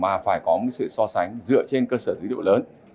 mà phải có một sự so sánh dựa trên cơ sở dữ liệu lớn